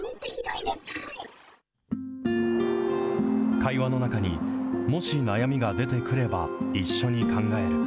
会話の中に、もし悩みが出てくれば一緒に考える。